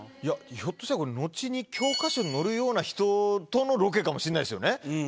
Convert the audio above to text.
ひょっとしたらこれ後に教科書に載るような人とのロケかもしれないですよね。